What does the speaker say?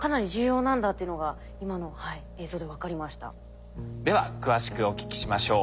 うんあのでは詳しくお聞きしましょう。